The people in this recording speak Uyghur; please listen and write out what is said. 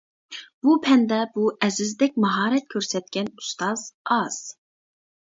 بۇ پەندە بۇ ئەزىزدەك ماھارەت كۆرسەتكەن ئۇستاز ئاز.